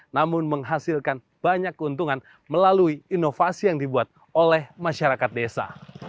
namun menghasilkan banyak keuntungan melalui inovasi yang dibuat oleh masyarakat desa